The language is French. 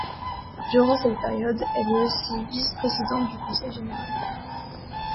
Durant cette période, elle est aussi vice-présidente du conseil général.